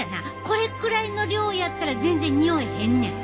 これくらいの量やったら全然におえへんねん。